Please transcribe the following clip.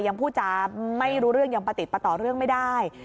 ยังพูดจาไม่รู้เรื่องยังประติดประต่อเรื่องไม่ได้